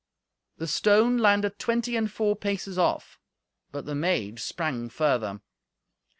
The stone landed twenty and four paces off; but the maid sprang further.